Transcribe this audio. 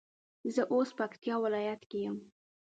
زه اوس پکتيا ولايت کي يم